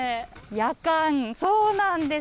やかん、そうなんです。